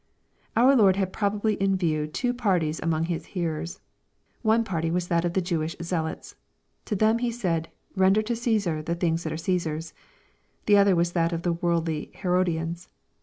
Our Lord had probably in view two parties among His hearers. One party was that of the Jewish zealots. To them He said *' ren der to Caesar the things that are Caesar's," The other was that of the worldly Herodians.